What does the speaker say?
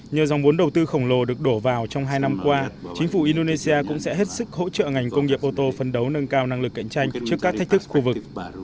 nhờ dòng vốn đầu tư khổng lồ được đổ vào trong hai năm qua chính phủ indonesia cũng sẽ hết sức hỗ trợ ngành công nghiệp ô tô phân đấu nâng cao năng lực cạnh tranh trước các thách thức khu vực